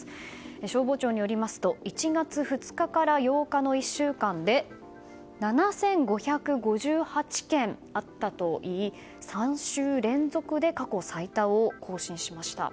消防庁によりますと１月２日から８日の１週間で７５５８件あったといい３週連続で過去最多を更新しました。